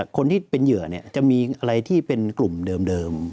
คนที่เป็นเหยื่อจะมีอะไรที่เป็นกลุ่มเดิม